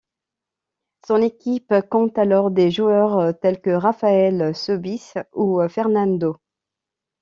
Son équipe compte alors des joueurs tels que Rafael Sóbis ou Fernandão.